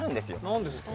何ですか？